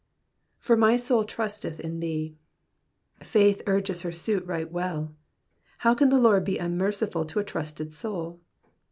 '^For my soul trusteth in thee.'''' Faith ui^es her suit right welL Uow can the Lord be unmerciful to a trustful soul